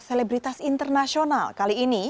selebritas internasional kali ini